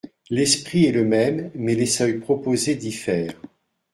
L’esprit est le même mais les seuils proposés diffèrent.